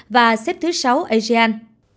và xếp thứ sáu asean